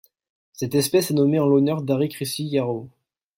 Cette espèce est nommée en l'honneur d'Harry Crécy Yarrow.